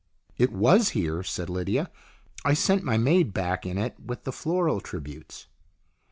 " It was here," said Lydia. " I sent my maid back in it with the floral tributes."